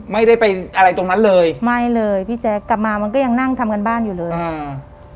ไม่ได้ไปอะไรตรงนั้นเลยไม่เลยพี่แจ๊คกลับมามันก็ยังนั่งทำการบ้านอยู่เลยอ่า